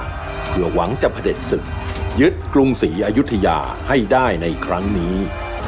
เพื่อหวังจะเผด็จศึกยึดกรุงศรีอายุทยาให้ได้ในครั้งนี้